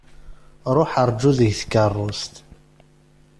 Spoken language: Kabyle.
Ṛuḥ rǧu deg tkeṛṛust.